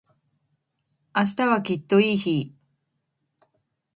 明日はきっといい日